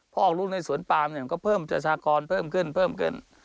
พอออกลูกในสวนป่ามก็เพิ่มประชากรเพิ่มขึ้น